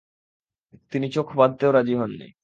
তিনি চোখ বাঁধতেও রাজি হননি।